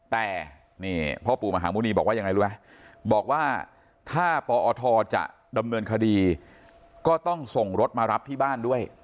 แต่นี่พ่อปู่มหาหมุณีบอกว่ายังไงรู้ไหมบอกว่าถ้าปอทจะดำเนินคดีก็ต้องส่งรถมารับที่บ้านด้วย